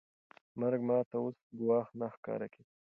مرګ ما ته اوس ګواښ نه ښکاره کېده.